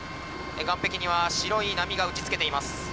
岸壁には白い波が打ちつけています。